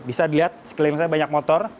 bisa dilihat sekilip sekilip banyak motor